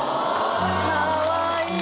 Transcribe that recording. かわいい。